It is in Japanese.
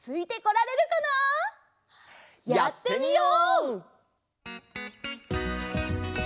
やってみよう！